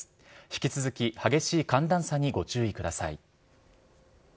引き続き激しい寒暖差にご注意ください。